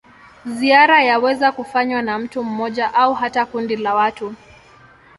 Ziara yaweza kufanywa na mtu mmoja au hata kundi la watu.